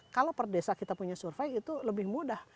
kalau per desa kita punya survei itu lebih mudah